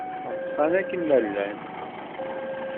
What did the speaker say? Ḍsan akken ma llan.